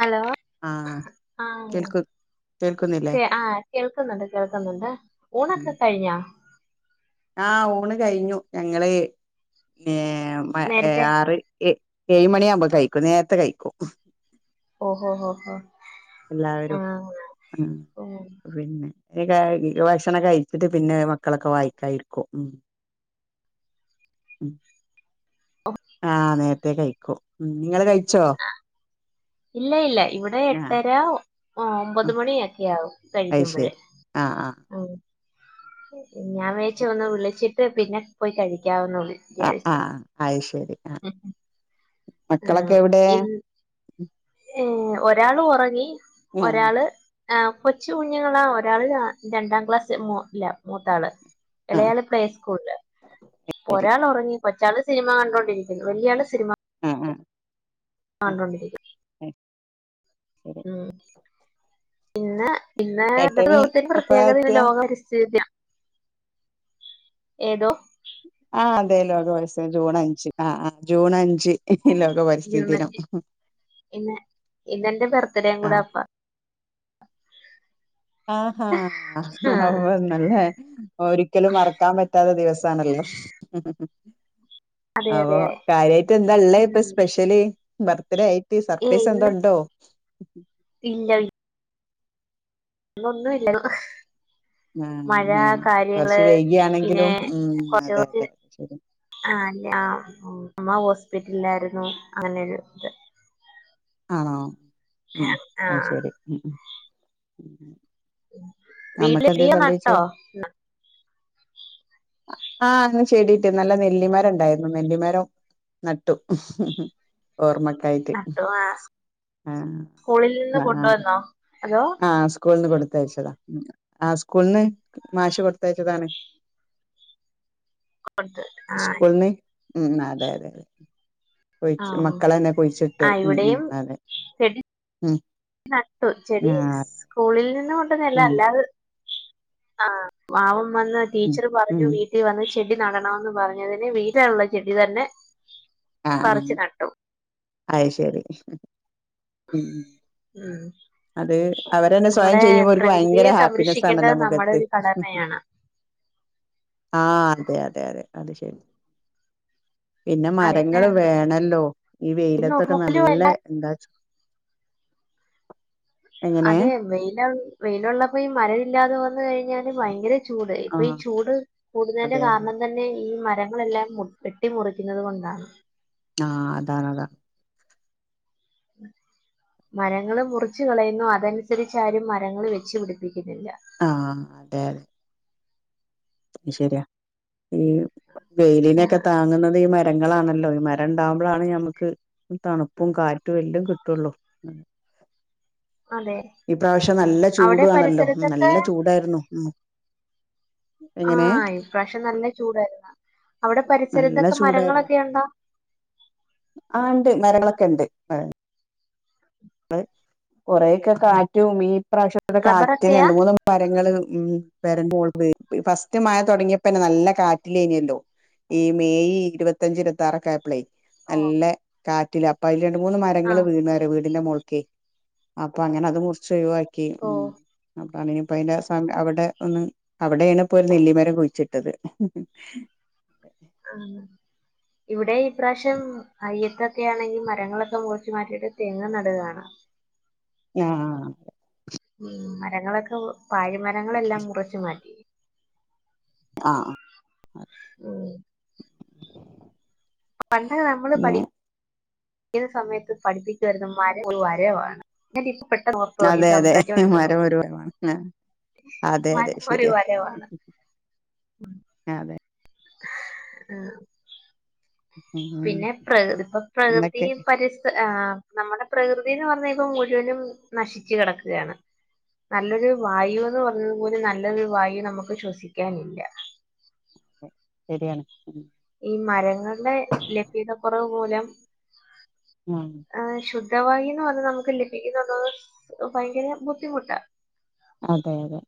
Hello ആഹ് ആ കേൾക്കു കേൾക്കുന്നില്ലേ കേ ആ കേൾക്കുന്നുണ്ട് കേൾക്കുന്നുണ്ട് ഊണൊക്കെ കഴിഞ്ഞ ആ ഊണ് കഴിഞ്ഞു ഞങ്ങള് ന്നെ മ്മ എ നേരത്തെ ആറ് എ ഏഴുമണിയാ മുമ്പേ കഴിക്കും നേരത്തെ കഴിക്കും ഓഹോ ഹോഹോ ആ എല്ലാവരും ഉ നി കയി ഭക്ഷണം കഴിച്ചിട്ട് പിന്നെ മക്കളൊക്കെ വായി കൈക്കും ഉം ഉം ആ നേരത്തേകൈ ക്കും ഉം നിങ്ങള് കഴി ആ ഇല്ലയില്ല ഇവിടെ ആഹ് എട്ടര ഓ ഒമ്പതുമണിയൊക്കെയാവും ഐശരി ആ ആ ഞാൻ വേച്ച് ഒന്ന് വിളിച്ചിട്ട് പിന്നെ പോയി കഴി ആ ആ അഹ് ശരി ആ മക്കളൊക്കെ ആഹ് എവ്ടെ ഇൻ ഏഹ് ഒരാള് ഒറങ്ങി ഒരാള് ആ കൊച്ചു കുഞ്ങ്ങളാ ഒരാള് ര രണ്ടാം ക്ലാസ് മു ല്ലാ മൂത്താള് ആഹ് ഇളയാള് പ്ലേ സ്കൂള്ള് ഒരാള് ഉറങ്ങി കൊച്ചാള് സിനിമ കണ്ടോണ്ടിരിക്കുന്നു വല്ല്യ ആള് സിനിമ അ ആ കണ്ടോണ്ടിരിക്കും ശരി ഉം പിന്നെ പിന്നെ ഇന്നത്തെ ഏട്ടന് ദിവസത്തിന് എപ്പഴാ പ്രത്യേകത ഇന്ന് എത്തുക ലോക പരിസ്ഥിതി ദിനം ഏതോ ആ അതെ ലോക പരിസ്ഥിതി ജൂൺ അഞ്ച് ആ ആ ജൂൺ അഞ്ച് ലോക പരിസ്ഥിതി ജൂൺ ദിനം അഞ്ച് ഇന്ന് ഇന്നെന്റെ ബർത്ത്ഡേയും ആ കൂടെഅപ്പാ. ആഹാ ആഹ് [unintelligible] ഒരിക്കലും മറക്കാൻ പറ്റാത്ത ദിവസാണല്ലോ. അതെ ആവൊ അതെ കാര്യായിട്ട് എന്താള്ളത് ഇപ്പൊ ഉം സ്പെഷ്യല്? ബർത്ത്ഡേ ആയി. ട്ട് ഏയ് സർപ്രൈസ് എന്തോ ഇന്ന് ഉണ്ടോ? ഉം ഇല്ല അതൊന്നുംല്ല ആ മഴ ആ കാര്യങ്ങള് കുറച്ച് പിന്നെ വൈകിയാണെങ്കിലും ഉം കുറച്ച് അതെ കുറച്ച് അതെ ശരി ആ ഞാ- അമ്മ ഹോസ്പിറ്റലിലായിരുന്നു അങ്ങനെ ഒരു ഇത് ആഹ ഉം ആ ആഹ് ശരി ഉം ഉം വീട്ടില് നമ്മക്ക് ദിയ നട്ടോ ആഹ അ ചെടി നട്ട് നല്ല നെല്ലിമരം ഉണ്ടായിരുന്നു നെല്ലിമരം നട്ടു ഓർമ്മക്കായിട്ട് നട്ടോ ആഹ് ആ സ്കൂളിൽ നിന്ന് കൊണ്ടുവന്നോ ഹലോ സ്കൂളന്ന് കൊടുത്തയച്ചതാ ഉം ആ സ്കൂളന്ന് മാഷ് കൊടുത്തയച്ചതാണ് കൊടുത്ത് ആഹ സ്കൂൾന്ന് ഉം അതെതെ കൊയി ആഹ് മക്കള് തന്നെ കുഴിച്ചിട്ടു ആഹ് ഉം ഉം അതെ ഉം ആഹ ചെടി ആഹ് സ്കൂളിൽ നിന്ന് - ഇന്ന് കൊണ്ടുവന്നത് അല്ല ഉം അല്ലാതെ ആഹ മാവും വന്ന് ഉം ടീച്ചർ ഉം പറഞ്ഞു വീട്ടിൽ വന്ന് ചെടി നടണന്ന് പറഞ്ഞതിന് വീട്ടിലുള്ള ചെടി തന്നെ- ആഹ ആ പറിച്ച് നട്ടു അത് ശരി ഉം ഉം [inaudible] ഉം ഉം അത് [inaudible] അവരന്നെ സ്വയം നമ്മുടെ ചെയ്യുമ്പോ അവര്ക്ക് പ്രകൃതിയെ ഭയങ്കര ഹാപ്പിനെസ്സ് ആണല്ലോ സംരക്ഷിക്കേണ്ടത് നമ്മുടെ മുഖത്ത് ഒരു കടമയാണ് ആഹ അതെ അതെ അതെ അത് ശരി പിന്നെ അതെ മരങ്ങള് വേണല്ലോ ഈ ഇന്ന് വെയിലത്തൊക്കെ ഒട്ടുമുക്കിലും നല്ല എന്താ എങ്ങനെ അതെ വെയിലുള്ളപ്പോ മരമില്ലാതെ വന്ന് കഴിഞ്ഞാൽ ഭയങ്കര ഈ ആഹ് ചൂട് കൂടുന്നതിന്റെ അതെ അതെ കാരണം തന്നെ ഈ മരങ്ങൾ - മരങ്ങളെല്ലാം വെട്ടി മുറിക്കുന്നത് കൊണ്ടാണ് ആ അതാണ് അതാ മരങ്ങള് മുറച്ച് കളയുന്നു അതനുസരിച്ച് ആരും മരങ്ങള് വെച്ചു പിടിപ്പിക്കുന്നില്ല ആ അതെ അതെ ശരിയാ ഈ വെയിലിനെക്കെ താങ്ങുന്നുന്നത് മരങ്ങളാണല്ലോ ഈ മരം ഉണ്ടാവുമ്പോഴാണ് ഞമുക്ക് തണുപ്പും കാറ്റും എല്ലും കിട്ടുള്ളൂ അതെ ഈ പ്രാവശ്യം നല്ല അവിടെ ചൂടവാണല്ലോ പരിസരത്തൊക്കെ നല്ല ചൂടായിരുന്നു ഉം എങ്ങനെ ആഹ് ഇപ്രാവശ്യം നല്ല ചൂടായിരുന്നു അവിടെ നല്ല പരിസരത്തൊക്കെ ചൂടായിരുന്നു മരങ്ങളൊക്കെ ഉണ്ടോ ആ ഉണ്ട് മരങ്ങളെ ക്കെണ്ട് കൊറേക്കെ കാറ്റും ഈ പ്രാവശ്യത്തെ കാറ്റിന് റബ്ബറൊക്കെയാ രണ്ട് മൂന്ന് മരങ്ങള് ഉം പെരാമോൾ ഫസ്റ്റ് മഴ തുടങ്ങിയപ്പന്നെ നല്ല കാറ്റിലേനല്ലോ ഈ മെയ് ഇരുപത്തഞ്ച് എത്താറക്കെ ആയപ്പഴെ അല്ലെ കാറ്റില അപ്പ ഇ രണ്ട് മൂന്ന് മരങ്ങൾ ആഹ് വീണരെ അതിന്റെ മോൾക്കേ അപ്പൊ അങ്ങനെ അത് മുറിച്ച് ഒഴിവാ ക്കി ഓ ഉം അപ്പൊ അങ്ങനെ അപ്പയിന്റെ ഏഷം അവിടെ ഒന്ന് അവിടെയാണ് ഒരു നെല്ലിമര കുഴിച്ചിട്ടത് ആ ഇവിടെ പ്രാവശ്യം ഐയ്യത്ത് ഒക്കെ ആണെങ്കിൽ മരങ്ങളൊക്കെ മുറിച്ചു മാറ്റിയിട്ട് തെങ്ങ് നടുകാണ് ആആ ഉം മരങ്ങളൊക്കെ പാഴ്‌ മരങ്ങളെല്ലാം മുറച്ചുമാറ്റി ആ അ ഉം [inaudible] പണ്ട് നമ്മള് പിന്നെ പഠി ഏത് സമയത്ത് പഠിപ്പിച്ച് തരുന്നത് മരം ഒരു വരവാണ് പെട്ടെന്ന് ഓർത്തതാ നീ അതെയതെ സംസാരിച്ചോണ്ടിരുന്നപ്പോ മരം ഒരു വരമാണ അതെ അതെ മരം ഒരു ശരിയാ വരവാണ് അതെ [unintelligible] ഉം പിന്നെ പ്ര ഇപ്പൊ അന്നൊക്കെ പ്രകൃതീം പരിസ്ഥ ആ നമ്മുടെ പ്രകൃതിന്ന് പറഞ്ഞാ ഇപ്പം മുഴുവനും നശിച്ചു കിടക്കുകയാണ് നല്ലൊരു വായു എന്ന് പറഞ്ഞത് പോലും നല്ലൊരു വായു നമുക്ക് ശ്വസിക്കാനില്ല തെ ശരിയാണ് ഈ മരങ്ങൾടെ ലഭ്യത കൊറവ് മൂലം ഉം ആഹ് ശു ദ്ധവായൂന്ന് വന്ന് നമുക്ക് ലഭിക്കുന്നത് ഭയങ്കര ബുദ്ധിമുട്ടാ അതെയതെ.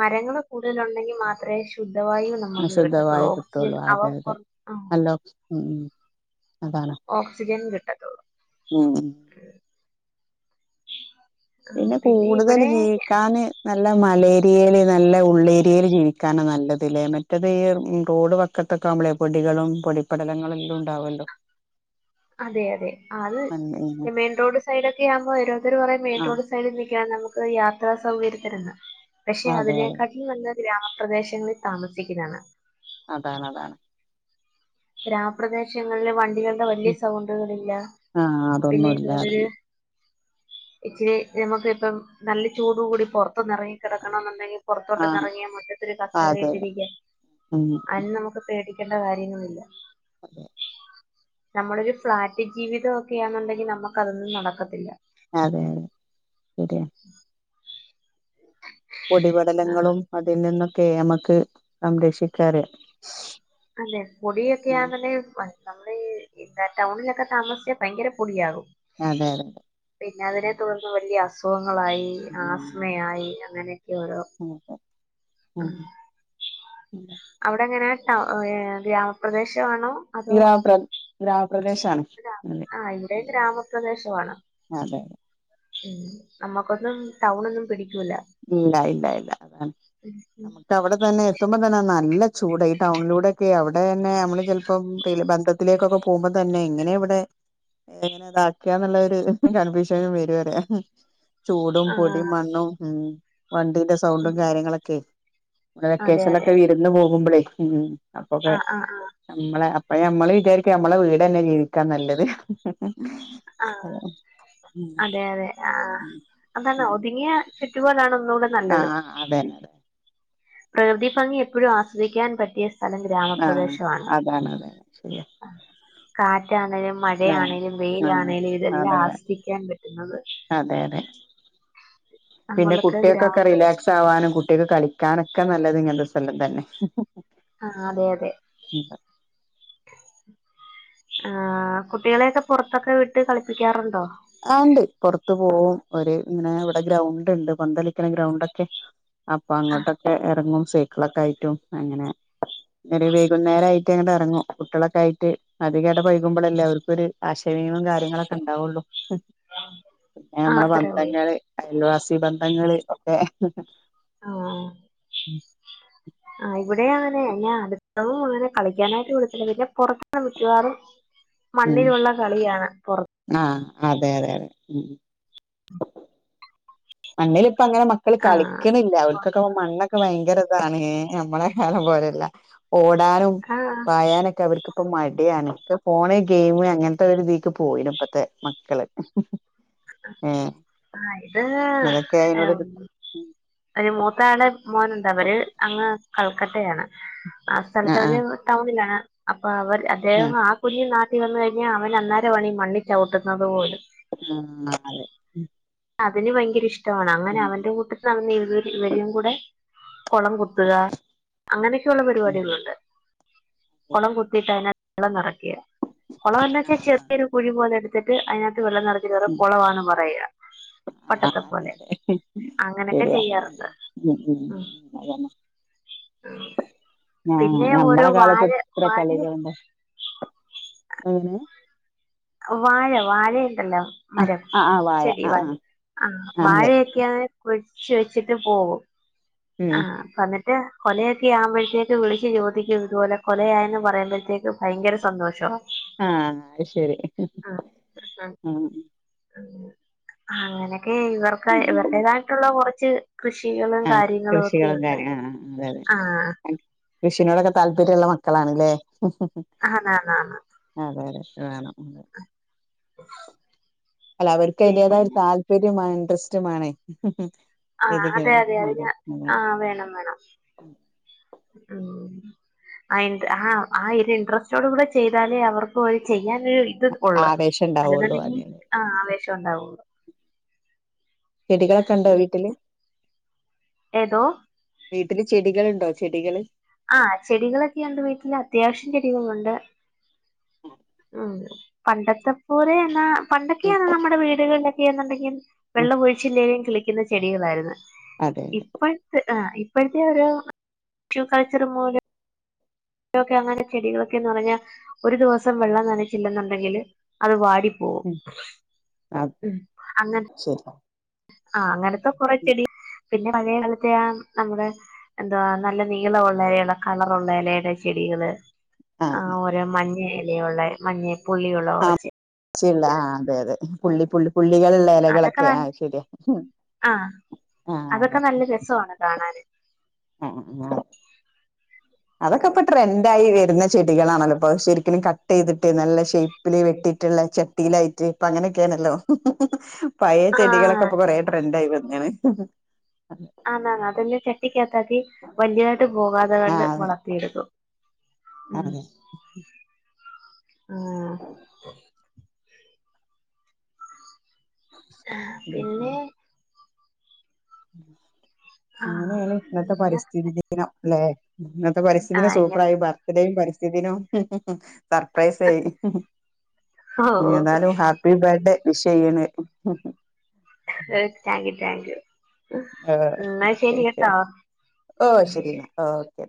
മരങ്ങള് കൂടുതല് ഉണ്ടെങ്കി മാത്രേ ശു ആ ശുദ്ധവായു കിട്ടൊള്ളൂ അവ അതെ അതെ പുറ ആ [unintelligible] ഉം. അതാണ് ഓക്സിജൻ കി ട്ടത്തൊള്ളൂ. ഉം. ഉം പിന്നെ കൂടുതൽ ഇവിടെ ജീവിക്കാന് നല്ല മലേരിയേല് നല്ല ഉള്ളേരിയേല് ജീവിക്കാനാ നല്ലത് ലേ മറ്റത് ഈ റോഡ് വക്കത്തൊക്കെ ആവുമ്പളേ പൊടികളും പൊടിപ്പടലങ്ങളെല്ലും ഉണ്ടാവല്ലോ. അതെ, അതെ അത് മെയിൻ റോഡ് സൈഡ് ഒക്കെ ആവുമ്പോ ഓരോത്തര് പറ മെയിൻ ആഹ് റോഡ് സൈഡിൽ നി ക്യാ നമുക്ക് യാത്രാ സൗകര്യത്തിരുന്ന് പക്ഷെ അതെ അതിനെക്കാട്ടിലും നല്ല ഗ്രാമപ്രദേശങ്ങളിൽ താമസിക്ക്ന്നാണ് അതാണ് അതാണ് ഗ്രാമ പ്രദേശങ്ങളില് വണ് ണ്ടികളുടെ വല്ല്യ സൗണ്ടുകളില്ല ആഹ് പിന്നെ അതൊന്നും ഇതു ഇല്ല അതന്നെ [unintelligible] ഇച്ചിരി നമുക്ക് ഇപ്പം നല്ല ചൂട് കൂടി പൊറത്തൊന്ന് ഇറങ്ങിക്കിടക്കണന്നുണ്ടെങ്കിൽ ആഹ് പൊറത്തോട്ടൊന്നിറങ്ങിയ മുറ്റത്തൊര് കസേര അതെ ഇട്ടിരിക്കാ ഉം അയിന് നമുക്ക് പേടി ക്കേണ്ട കാര്യങ്ങളില്ല അതെ നമ്മളൊരു ഫ്ളാറ്റ് ജീവിതം ഒക്കെയാന്നുണ്ടെങ്കിൽ നമ്മക്ക് അതൊന്നും നടക്കത്തില്ല അതെ അതെ ശരിയ പൊടിപടലങ്ങളും അതിൽ നിന്ന് ക്കെ നമ്മക്ക് സംരക്ഷിക്കാറ് അതെ പൊടിയൊക്കെ ആ ഉം ന്നെൽ നമ്മൾ ടൗണിലൊക്കെ താമസിച്ച് ഭയങ്കര പൊടിയാകും അതെ അതെ പിന്നെ അതിനെ തുടർന്ന് വലിയ അസുഖം ങ്ങളായി ഉം ആസ്മയായി അങ്ങനെ അതെ ഉം അവിടെ എങ്ങനെയാ ടൗ ഏ ഗ്രാമപ്രദേശ ആണോ ഗ്രാമപ്ര ഗ്രാമപ്രദേശാണ് അതെ ആഹ് ഇവിടെ ഉം ഗ്രാമപ്രദേശമാണ് അതെ ഉം നമ്മക്കൊന്നും ടൗണ ഒന്നും പിടിക്ക ഇല്ലാ ഇല്ലാ ഇല്ലാ നമ്മുക്കവിടെത്തനെ എത്തുമ്പോ തന്നെ നല്ല ചൂടാ ഈ ടൗണിലൂടെക്കെയേ അവിടെ തന്നെ നമ്മള് ചിലപ്പോം [unintelligible] ബന്ധത്തിലേക്കൊക്കെ പോകുമ്പ തന്നെ എങ്ങനെ ഇവിടെ എങ്ങനെ ഇതാക്കിയാന്നുള്ള ഒരു കൺഫ്യൂഷനും വരു പറയാ ചൂടും, പൊടിം, ആഹ് മണ്ണും ഉം വണ്ടീന്റെ സൗണ്ടും കാര്യങ്ങളൊക്കെയേ അതെ അതെ വെക്കേഷനൊക്കെ വിരുന്ന് പോകുമ്പളേ ഉം അപ്പൊക്കെ ആഹ് ആഹ് ആഹ് നമ്മളെ പ്പ ഞമ്മള് വിചാരിക്കും ഞമ്മളെ വീടെന്നെ ജീവിക്കാൻ നല്ലത് ആ അതെ അതെ ആ അതാണ് ഒതുങ്ങിയ ചുറ്റുപാടാണ് ഒന്നുകൂടെ നല്ലത് ആഹ്‌ ആ അതെന്നെ അതന്നെ പ്രകൃതി ഭംഗി എപ്പഴും ആസ്വദിക്കാൻ പറ്റിയ സ് ആഹ് അതാണ്. അതാണ്. ശരിയാ കാ റ്റാണേലും ആഹ് മഴയാണേലും ആഹ് വെയിലാണേലും ഇതെല്ലാം അതെ അതെ ആസ്വദിക്കാൻ പറ്റുന്നത് അതെ അതെ പിന്നെ നമ്മൾക്ക് കുട്ടിയേക്കൊക്കെ ഗ്രാമപ്രദേശം റിലാക്സ് ആവാനും കുട്ടിയേക്ക് കളിക്കാനൊക്കെ നല്ലത് ഇങ്ങൻത്തെ [unintelligible] തന്നെ ആഹ് അതെ അതെ ആ ആ കുട്ടികളെയൊക്കെ പുറത്തൊക്കെ വിട്ട് കളിപ്പിക്കാറുണ്ടോ? ആ ഇണ്ട്. പുറത്തു പോവും. ഒരു ഇങ്ങനെ ഇവിടെ ഗ്രൗണ്ട് ഇണ്ട്. പന്തളിക്ക്ന ഗ്രൗണ്ടൊക്കെ അപ്പം അങ്ങോട്ടൊക്കെ എറങ്ങും. സൈക്കളൊക്കെ ആയിട്ടും അങ്ങനെ. ഇങ്ങനെ വൈകുന്നേര ആയിട്ട് അങ്ങട്ട് എറങ്ങും. കുട്ടിയേളൊക്കെ ആയിട്ട് അതികെട പഴകുമ്പളല്ലേ അവർക്കൊരു ആശയവിനിമയും കാര്യങ്ങളൊക്കെ ഉണ്ടാവുള്ളു പിന്നെ ആഹ് നമ്മള അത്രേ ഉള്ളൂ ബന്ധങ്ങള് അയൽവാസി ബന്ധങ്ങൾ ഒക്കെ. ആ ആ ഉം ആ ഇവിടെയും അങ്ങനെ. അടുത്തൊന്നും അങ്ങനെ കളിക്കാനായിട്ട് കൊളത്തില്ല. പിന്നെ പുറത്താണ് മിക്കവാറും ഉം മണ്ണിലുള്ള കളിയാണ് പൊർ ആഹ് അതെ അതെ അതെ ഉം മണ്ണില് ഇപ്പ അങ്ങനെ മക്കള് ആ കളിക്കണില്ല, പൊ- അവട്ക്കൊക്കെ മണ്ണ് ക്കെ വയങ്കര ഇതാണ് നമ്മള കാലം പോലെയല്ല ഓ ടാനും ആ പായാനൊക്കെ അവർക്ക് ഇപ്പ മടി ആണ്, ക്ക ഫോണ് ഗെയിമ് അങ്ങനത്തെ ഒരു ഇതിക്ക് പോയിനപ്പത്തെ മക്കള്. എഎ ആ തെ ആ ഒരു മൂത്താള് മോനെന്തവര് അങ്ങ് കൽക്കട്ടയാണ്. ആ സ്ഥലത്ത് അവര് ടൗണിലാണ്. ആ അവർ അദ്ദേഹം ആ കുഞ്ഞ് നാട് ട്ടി വന്ന് കഴിഞ്ഞാൽ അവൻ അന്നേരമാണി മണ്ണിൽ ചവിട്ടുന്നത് പോലും. ആ അതെ. അതിന് ഭയങ്കര ഇഷ് [unintelligible] അങ്ങനെ ഉം അവന്റെ കൂട്ടത്തിൽ അവൻ ഇവ് ഇവനുംകുടെ കൊളം കുത്തുക അങ്ങനെയൊക്കെയുള്ള പരിപാടികളുണ്ട് കൊളം കുത്തിയിട്ടതിനാ ള്ളന്നറയ്‌ യ്യേ കൊളവല്ലെച്ച ചെറിയൊരു കുഴിപോലെ എടു എന്നിട്ട് അതിനാ ത്ത് വെള്ളം നറച്ചിട്ടത് കൊളവാണ് പറയ്യാ ആഹ് അതെ അതെ അങ്ങനൊക്കെ ശരിയാ ചെയ്യാറുണ്ട് ഉം ഉം ഉം അതന്നെ [inaudible] ആ പിന്നെ ഓരോ ഞമ്മടെ കാലത്ത് വാഴ ഇത്ര വാഴ കളികളുണ്ട് എങ്ങനെ വാഴ വാഴുണ്ടല്ലോ ആ മരം ആ ആ വായ ചെടി ആ വാഴ ആ ആ വാഴയൊക്കെയ കുഴ ചോയ്ച്ചിട്ട് പോവും ഉം ആ പന്നെ മറ്റേ കൊലയൊക്കെ ആവുമ്പോഴത്തേക്ക് വിളിച്ച് ചോദിക്കും ഇതുപോലെ കൊലയായന്ന് പറയുമ്പോഴത്തേക്ക് ഭയങ്കര സന്തോഷ ആഹ് അത് ശരി ആ ഉം ഉം അങ്ങനെ ഉം ഇവർക്കായി ഇവർടേതായിട്ടുള്ള കുറ ച്ച് കൃഷികളും ആഹ് കാര്യങ്ങളും കൃഷികളും ഒക്കെയുണ്ട് കാര്യ ആ അതെ ആഹ് അതെ കൃഷിനോടൊക്കെ താല്പര്യള്ള മക്കളാ ണ്ല്ലേ ഉ ആന്നാന്നാന്ന് അതെ അതെ വേണം ഉം വേ അല്ല അവർക്ക് പിന്നെ അതിന്റെതായ ഒരു താല്പര്യമാണ് ഡസ്റ്റ് മാണേ ഹും ഹും ആ അതെ അതെ തെ അത് ഞ ആ വേണം വേണം ഉം അയിന്ത് ആ ആ ഇത് ഇൻട്രസ്റ്റോട് കൂടെ ചെയ്താലേ അവർക്ക് ഒര് ചെയ്യ ഞാനൊരു ഇത് ഉള്ളള് ആവേശം ഉണ്ടാവുള്ളൂ അല്ലന്നുണ്ടെങ്ങി അതെ അതെ ആ ആവേശം ഉണ്ടാവുള്ളൂ ചെടികളൊക്കെ ഉണ്ടോ വീട്ടില് ഏതോ വീട്ടില് ചെടികളുണ്ടോ ചെടികള് ആ ചെടികളൊക്കെയുണ്ട് വീട്ടിൽ അത്യാവശ്യം ഉ പണ്ടത്തെ പോര എന്ന എന്നാ ഉം പണ്ടൊക്കെയാണ് നമ്മുടെ വീടുകളില എന്നുണ്ടെങ്കിൽ ഉം വെള്ളം ഒഴിച്ചില്ലേങ്കും കളിക്ക പൂക്കുന്ന ചെടികളായിരുന്നു അതെ അതെ ഇപ്പത്തെ ആ ഇപ്പോഴത്തെ ഒരു കളിച്ചറ മൂല ക്കെ അങ്ങനെ ചെടികളൊക്കെന്ന് പറഞ്ഞാ ഒരു ദിവസം വെള്ളം നനച്ചില്ലെന്നുണ്ടെങ്കിൽ അത് വാടി ഉ ഉം അതെ അങ്ങനെ ശരി ആ് അങ്ങനെത്തെ കൊറച്ചടി പിന്നെ പഴയ കാലത്തെ നമ്മുടെ എന്തവാ നല്ല നീളം ഉള്ളലുള്ള കളർള്ളലയുടെ ചെടികള് ആഹ് ആ ആഹ് ഓരോ മഞ്ഞ ഇലയുള്ള മഞ്ഞേ പുള്ളിയുള്ള പള്ളി പുള്ളി പുള്ളികളുള്ള അതൊക്കെ ഇലകളൊക്കെ ന ആ ശരിയാ ആ ആഹ അതെ കാണാന ആആ അതൊക്കെ ഇപ്പ ട്രെൻഡ ആയി വരുന്ന ചെടികളാണല്ലോ ഇപ്പൊ ശരിക്കലും കട്ട് ചെയ്തിട്ട് നല്ല ഷേപ്പില് വെട്ടിട്ടുള്ള ചട്ടിയിലായിട്ട് ഇപ്പ അങ്ങനെയൊക്കെയാണല്ലോ പയ ആ ചെടികളൊക്കെ കൊറേ ട്രെഡ ആയിും [inaudible] ആ് അതന്നെ ചട്ടിക്കത്താക്കി വലിയതായിട്ട് പോകാതെ കണ്ട് ആഹ് അതെ വളാം [unintelligible] അതെ ആ ഉം ഉ പിന്നെ ആ ഉം അങ്ങനെയാണ് ഇന്നത്തെ പിന്നെ പരിസ്ഥിതി ദിനം അല്ലെ ഇന്നത്തെ ആ പരിസ്ഥിതിന് ഇങ്ങൻ സൂപ്പറായി ബർത്ത്ഡേയുംരി [inaudible] സർപ്രൈസ് ആയി ഓ ഏതാലും ഹാപ്പി ബർത്ത്ഡേ വിഷ് ചെയ്യണ് [unintelligible] [unintelligible] ടാങ്കിൽ റ്റാങ്ക്യൂ ആ കെകെ ഓ ശരി ശെരിയെന്ന ഓക്കേ